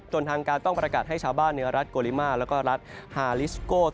ทางการต้องประกาศให้ชาวบ้านในรัฐโกลิมาแล้วก็รัฐฮาลิสโก้